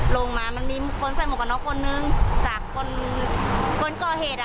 ลงมามันมีคนใส่หมวกกันน็อกคนนึงจากคนคนก่อเหตุอ่ะ